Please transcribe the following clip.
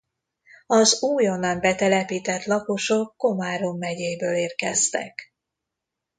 Az újonnan betelepített lakosok Komárom megyéből érkeztek.